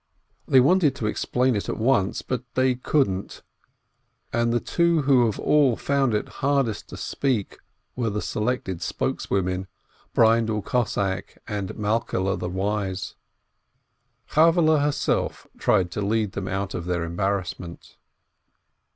They wanted to explain at once, but they couldn't, and the two who of all found it hardest to speak were the selected spokeswomen, Breindel Cossack and Malkehle the wise. Chavvehle herself tried to lead them out of their embarrassment.